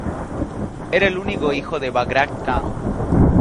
Era el único hijo de Bagrat Khan.